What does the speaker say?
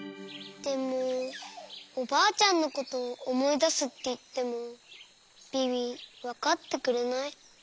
でもおばあちゃんのことおもいだすっていってもビビわかってくれない。